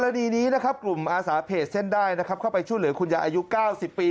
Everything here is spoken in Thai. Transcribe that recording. กรณีนี้กลุ่มอาสาเพจเส้นได้เข้าไปช่วงเหลือคุณยายอายุ๙๐ปี